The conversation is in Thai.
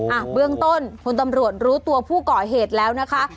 อ่ะเบื้องต้นคุณตำรวจรู้ตัวผู้ก่อเหตุแล้วนะคะ